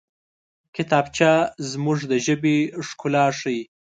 کتابچه زموږ د ژبې ښکلا ښيي